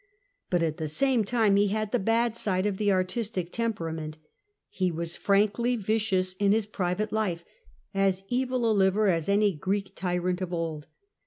But at the same time he had the bad side of the artistic temperament. He was frankly vicious in his private life, as evil a liver as any Greek tyrant of old.